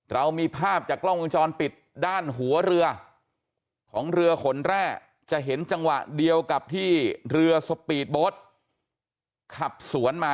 เรามีภาพจากกล้องวงจรปิดด้านหัวเรือของเรือขนแร่จะเห็นจังหวะเดียวกับที่เรือสปีดโบ๊ทขับสวนมา